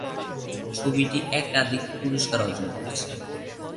ছবিটি একাধিক পুরস্কার অর্জন করেছে।